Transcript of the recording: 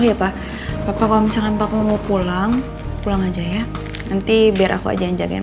oh iya pak papa kalau misalnya pak mau pulang pulang aja ya nanti biar aku aja yang jagain